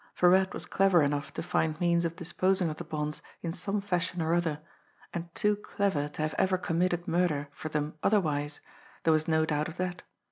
Virat was clever enough to find means of disposing of the bonds in some fashion or other, and too clever to have ever committed murder for them otherwise there was no doubt of that.